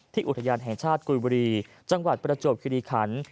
อุทยานแห่งชาติกุยบุรีจังหวัดประจวบคิริขัน